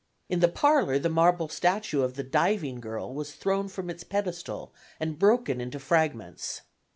In the parlor the marble statue of the "Diving Girl" was thrown from its pedestal and broken into fragments.